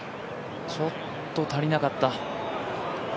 ちょっと足りなかった。